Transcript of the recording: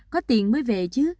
có tiền mới về chứ